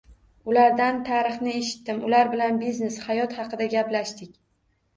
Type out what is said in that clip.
Ulardan tarixni eshitdim, ular bilan biznes, hayot haqida gaplashdik.